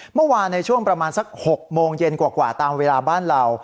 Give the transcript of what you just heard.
เมื่อวานในช่วงประมาณสัก๖โมงเย็นกว่าตามเวลาบ้านเรา